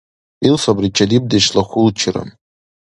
Ил сабри чедибдешла хьулчира.